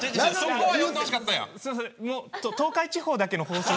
東海地方だけの放送。